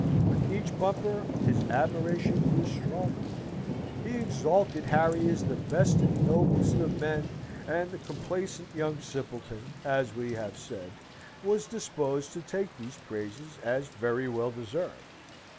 With each bumper his admiration grew stronger. He exalted Harry as the best and noblest of men, and the complacent young simpleton, as we have said, was disposed to take these praises as very well deserved.